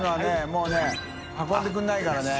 もうね運んでくれないからね。